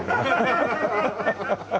ハハハハハ。